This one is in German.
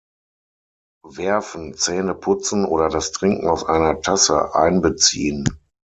Werfen, Zähneputzen, oder das Trinken aus einer Tasse einbeziehen.